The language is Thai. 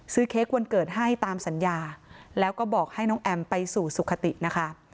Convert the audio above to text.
เค้กวันเกิดให้ตามสัญญาแล้วก็บอกให้น้องแอมไปสู่สุขตินะคะ